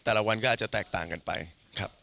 แต่ละวันก็อาจจะแตกต่างกันไปครับ